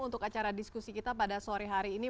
untuk acara diskusi kita pada sore hari ini